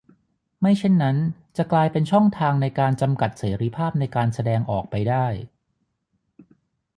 ไม่เช่นนั้นจะกลายเป็นช่องทางในการจำกัดเสรีภาพในการแสดงออกไปได้